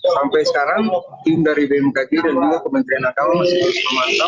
sampai sekarang tim dari bmkg dan juga kementerian akal masih terus memantau